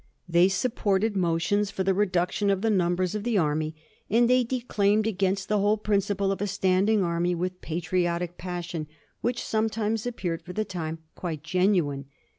They sup ported motions for the reduction of the numhers of the army, and they declaimed against the whole prin ciple of a standing anny with patriotic passion, which sometimes appeared for the time quite genuine.